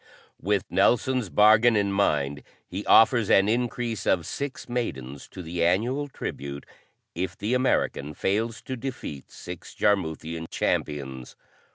With Nelson's bargain in mind he offers an increase of six maidens to the annual tribute, if the American fails to defeat six Jarmuthian champions.